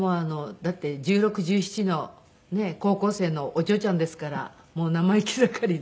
だって１６１７のねえ高校生のお嬢ちゃんですから生意気盛りで。